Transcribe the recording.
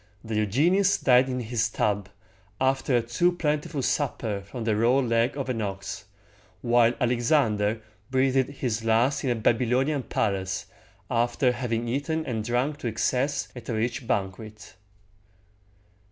Diogenes died in his tub, after a too plentiful supper from the raw leg of an ox; while Alexander breathed his last in a Bab y lo´ni an palace, after having eaten and drunk to excess at a rich banquet.